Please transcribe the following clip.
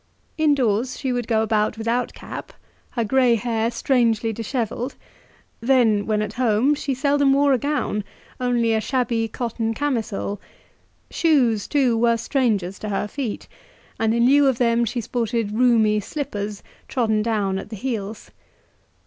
Indoors she would go about without cap, her grey hair strangely dishevelled; then, when at home, she seldom wore a gown only a shabby cotton camisole; shoes, too, were strangers to her feet, and in lieu of them she sported roomy slippers, trodden down at the heels.